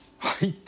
「はい」